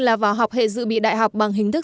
là vào học hệ dự bị đại học bằng hình thức